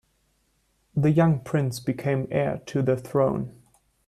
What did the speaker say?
The young prince became heir to the throne.